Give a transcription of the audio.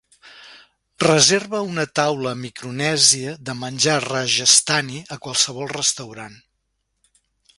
reserva una taula a Micronèsia de menjar rajasthani a qualsevol restaurant